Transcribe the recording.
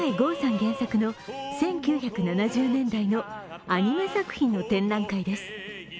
原作の１９７０年代のアニメ作品の展覧会です。